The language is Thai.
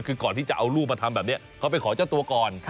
คือก่อนที่จะเอาลูกมาทำแบบนี้เขาไปขอเจ้าตัวก่อน